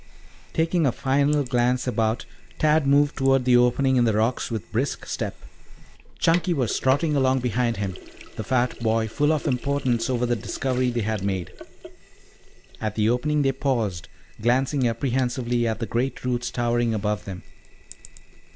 Taking a final glance about, Tad moved toward the opening in the rocks with brisk step. Chunky was trotting along behind him, the fat boy full of importance over the discovery they had made. At the opening they paused, glancing apprehensively at the great roots towering above them.